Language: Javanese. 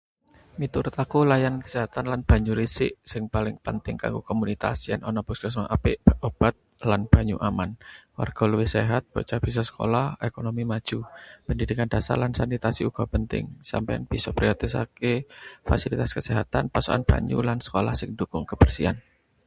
Miturut aku layanan kesehatan lan banyu resik sing paling penting kanggo komunitas. Yen ana puskesmas apik, obat, lan banyu aman, warga luwih sehat, bocah bisa sekolah, ekonomi maju. Pendidikan dhasar lan sanitasi uga penting. Sampeyan bisa prioritasake fasilitas kesehatan, pasokan banyu, lan sekolah sing ndhukung kabersihan.